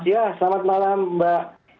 ya selamat malam mbak